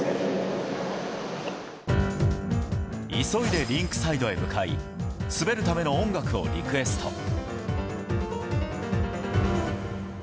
急いでリンクサイドへ向かい滑るための音楽をリクエスト。